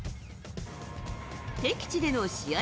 敵地での試合